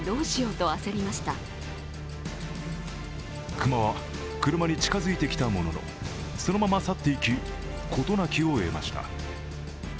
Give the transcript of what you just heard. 熊は車に近づいてきたものの、そのまま去っていき、事なきを得ました。